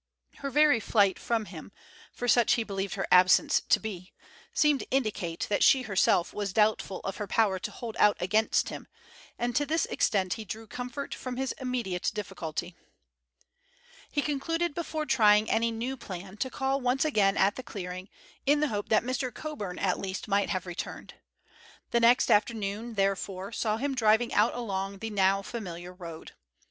Her very flight from him, for such he believed her absence to be, seemed to indicate that she herself was doubtful of her power to hold out against him, and to this extent he drew comfort from his immediate difficulty. He concluded before trying any new plan to call once again at the clearing, in the hope that Mr. Coburn at least might have returned. The next afternoon, therefore, saw him driving out along the now familiar road.